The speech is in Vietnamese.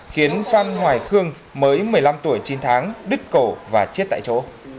khiến phan hoài khương mới một mươi năm tuổi chín tháng đứt cổ và chết tại chỗ